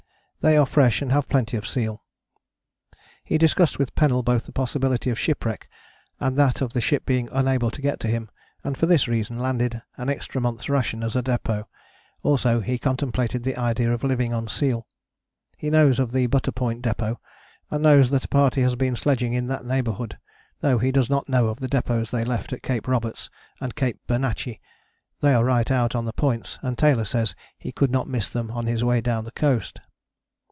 They are fresh and they have plenty of seal. He discussed with Pennell both the possibility of shipwreck and that of the ship being unable to get to him, and for this reason landed an extra month's rations as a depôt; also he contemplated the idea of living on seal. He knows of the Butter Point Depôt, and knows that a party has been sledging in that neighbourhood: though he does not know of the depôts they left at Cape Roberts and Cape Bernacchi, they are right out on the Points and Taylor says he could not miss them on his way down the coast."